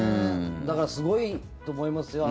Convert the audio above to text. だから、すごいと思いますよ。